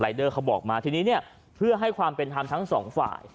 เดอร์เขาบอกมาทีนี้เนี่ยเพื่อให้ความเป็นธรรมทั้งสองฝ่าย